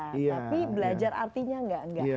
tapi belajar artinya tidak